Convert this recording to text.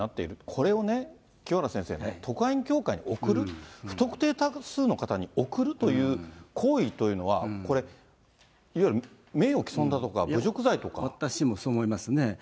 これをね、清原先生ね、特派員協会に送る、不特定多数の方に送るという行為というのは、これ、いわゆる名誉毀損だとか、私もそう思いますね。